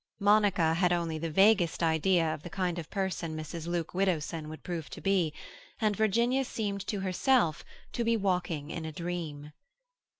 Monica had only the vaguest idea of the kind of person Mrs. Luke Widdowson would prove to be, and Virginia seemed to herself to be walking in a dream.